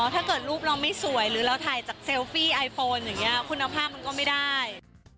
ถ้าเกิดรูปเราไม่สวยหรือเราถ่ายจากเซลฟี่ไอโฟนอย่างนี้คุณภาพมันก็ไม่ได้